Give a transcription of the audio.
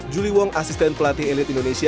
juli wong asisten pelatih elit indonesia